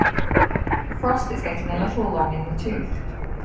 Frost is getting a little long in the tooth.